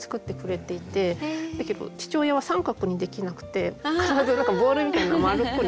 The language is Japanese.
だけど父親は三角にできなくて必ずボールみたいな丸っこいの。